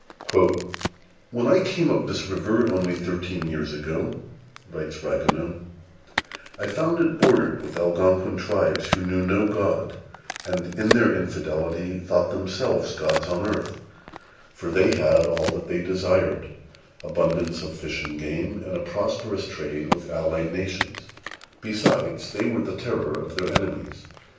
"When I came up this great river, only thirteen years ago," writes Ragueneau, "I found it bordered with Algonquin tribes, who knew no God, and, in their infidelity, thought themselves gods on earth; for they had all that they desired, abundance of fish and game, and a prosperous trade with allied nations: besides, they were the terror of their enemies.